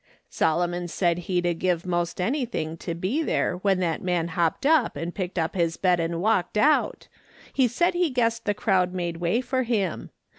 Solomon said he'd a give most anything to be there when that man hopped up and picked up his bed and walked out ; he said he guessed the crowd made way for him.